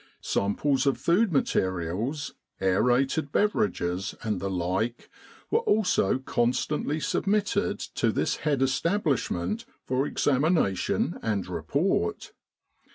Samples of food materials, aerated beverages, and the like, were also constantly sub mitted to this head establishment for examination and report.